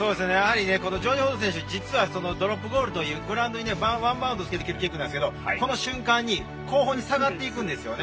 このジョージ・フォード選手、実はドロップゴールという、グラウンドにワンバウンドさせて蹴るキックなんですけど、この瞬間に、後方に下がっていくんですよね。